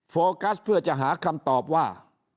โฟกัสเพื่อจะหาคำตอบว่า